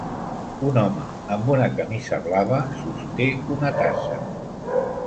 Un home amb una camisa blava sosté una tassa.